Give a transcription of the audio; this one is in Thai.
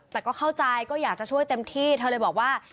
แต่ก็เข้าใจก็อยากจะช่วยเต็มที่เธอเลยบอกว่า